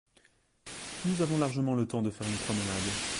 Nous avons largement le temps de faire une promenade.